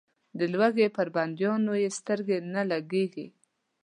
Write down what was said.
د لوږې پر بندیانو یې سترګې نه لګېږي.